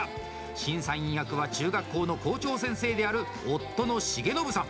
審査委員役は、中学校の校長先生である夫の重信さん。